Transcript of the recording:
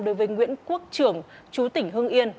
đối với nguyễn quốc trưởng chú tỉnh hưng yên